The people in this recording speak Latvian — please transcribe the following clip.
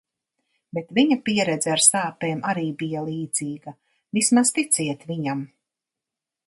Bet viņa pieredze ar sāpēm arī bija līdzīga. Vismaz ticiet viņam.